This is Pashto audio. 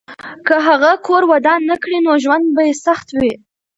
که هغه کور ودان نه کړي، نو ژوند به یې سخت وي.